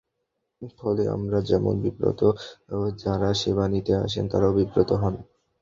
ফলে আমরা যেমন বিব্রত, যাঁরা সেবা নিতে আসেন, তাঁরাও বিব্রত হন।